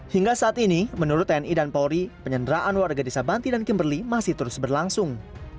hingga saat ini menurut tni dan polri penyanderaan warga desa banti dan kimberli masih terus berlangsung